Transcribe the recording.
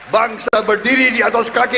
bangsa berdiri di atas kaki